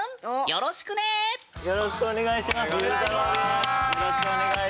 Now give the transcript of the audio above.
よろしくお願いします。